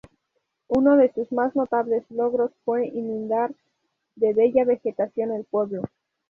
Uno de sus más notables logros fue "inundar" de bella vegetación el pueblo.